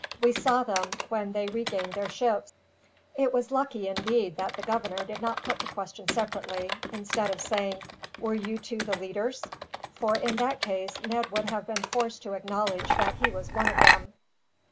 We saw them, when they regained their ships." It was lucky, indeed, that the governor did not put the question separately, instead of saying, "Were you two the leaders?" for in that case Ned would have been forced to acknowledge that he was one of them.